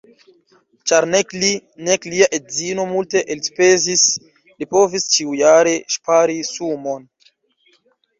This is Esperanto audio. Ĉar nek li, nek lia edzino multe elspezis, li povis ĉiujare ŝpari sumon.